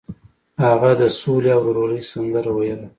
هغه د سولې او ورورولۍ سندره ویله.